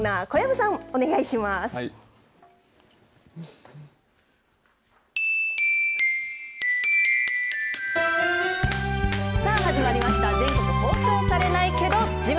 さあ始まりました、全国放送されないけど自慢。